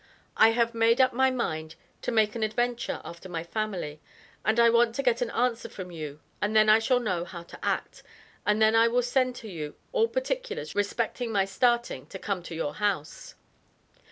I have made up my mind to make an adventure after my family and I want to get an answer from you and then I shall know how to act and then I will send to you all particulars respecting my starting to come to your house.